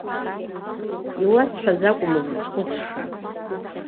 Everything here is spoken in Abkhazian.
Иуасҳәаз акәым узызхәыцша.